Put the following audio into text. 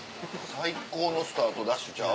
最高のスタートダッシュちゃう？